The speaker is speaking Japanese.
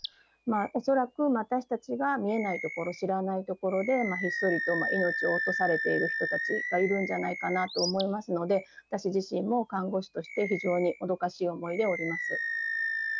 恐らく私たちが見えないところ、知らないところでひっそりと命を落とされている人たちがいるんじゃないかなと思いますので、私自身も看護師として非常にもどかしい思いでおります。